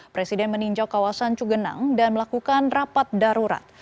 presiden meninjau kawasan cugenang dan melakukan rapat darurat